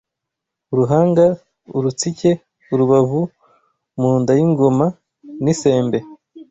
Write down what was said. Uruhanga, urutsike, urubavu, mu nda y’ingoma, n’isembe